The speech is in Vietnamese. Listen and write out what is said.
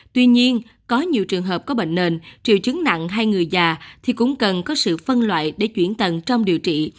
tuy nhiên có nhiều trường hợp có bệnh nền triệu chứng nặng hay người già thì cũng cần có sự phân loại để chuyển tầng trong điều trị